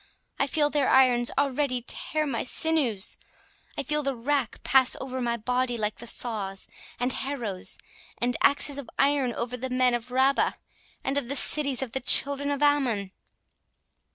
I feel their irons already tear my sinews! I feel the rack pass over my body like the saws, and harrows, and axes of iron over the men of Rabbah, and of the cities of the children of Ammon!"